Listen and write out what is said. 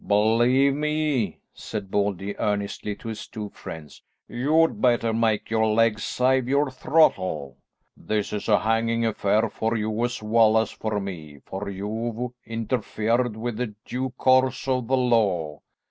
"Believe me," said Baldy earnestly to his two friends, "you'd better make your legs save your throttle. This is a hanging affair for you as well as for me, for you've interfered with the due course of the law."